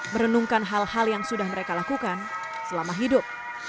merenungkan hal hal yang sudah mereka lakukan selama hidup